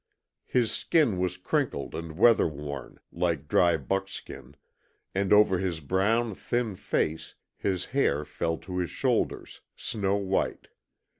His skin was crinkled and weather worn, like dry buckskin, and over his brown, thin face his hair fell to his shoulders, snow white.